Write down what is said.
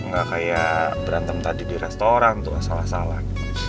nggak kayak berantem tadi di restoran tuh asal asalan